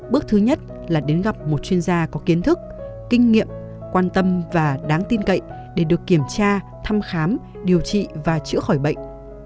bước thứ nhất là đến gặp một chuyên gia có kiến thức kinh nghiệm quan tâm và đáng tin cậy để được kiểm tra thăm khám điều trị và chữa khỏi bệnh